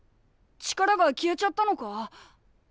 力が消えちゃったのか？